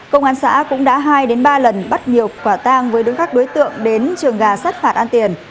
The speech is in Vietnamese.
công an xã cũng đã hai ba lần bắt nhiều quả tang với đối tượng đến trường gà sát phạt ăn tiền